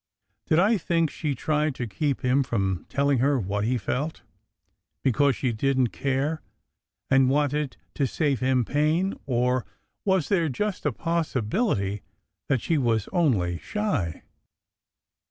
Did I think she tried to keep him from telling her what he felt, because she didn t care and wanted to save him pain, or was there just a possibility that she was only shy?